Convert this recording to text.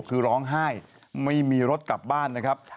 คือร้องไห้ไม่มีรถกลับบ้านนะครับ